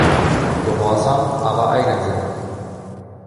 Gehorsam, aber eigensinnig.